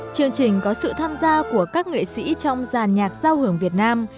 chương trình có sự tham gia của các nghệ sĩ trong giàn nhạc giao hưởng việt nam